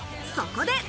そこで。